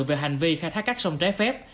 về hành vi khai thác các sông trái phép